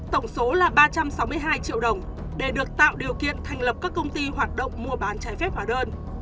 tổng số là ba trăm sáu mươi hai triệu đồng để được tạo điều kiện thành lập các công ty hoạt động mua bán trái phép hóa đơn